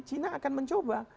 cina akan mencoba